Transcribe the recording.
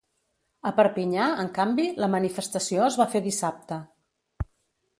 A Perpinyà, en canvi, la manifestació es va fer dissabte.